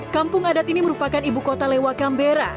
kampung adat ini merupakan ibu kota lewa cambera